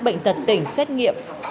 bệnh tật tỉnh xét nghiệm